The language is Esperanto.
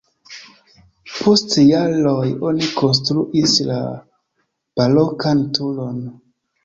Post jaroj oni konstruis la barokan turon.